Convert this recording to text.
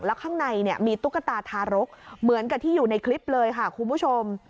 แล้วข้างในมีตุ๊กตาทารกเหมือนกับที่อยู่ในคลิปเลยค่ะคุณผู้ชม